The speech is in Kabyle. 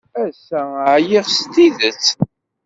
Ass-a, ɛyiɣ s tidet.